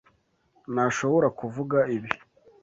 Ntashobora kuvuga ibi.